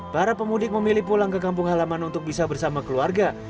para pemudik memilih pulang ke kampung halaman untuk bisa bersama keluarga